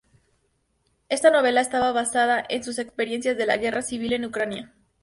Esta novela estaba basada en sus experiencias de la guerra civil en Ucrania.